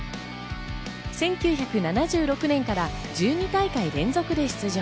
１９７６年から１２大会連続で出場。